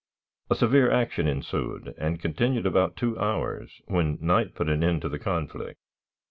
A severe action ensued, and continued about two hours, when night put an end to the conflict.